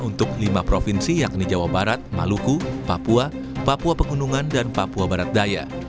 untuk lima provinsi yakni jawa barat maluku papua papua pegunungan dan papua barat daya